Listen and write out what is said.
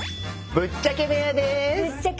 ぶっちゃけ部屋よ。